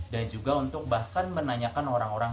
dan juga untuk bahkan menanyakan orang orang